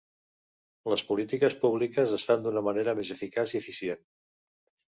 Les polítiques públiques es fan d’una manera més eficaç i eficient.